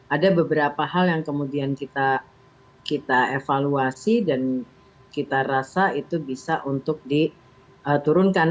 ada beberapa hal yang kemudian kita evaluasi dan kita rasa itu bisa untuk diturunkan